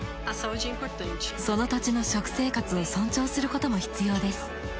その土地の食生活を尊重することも必要です。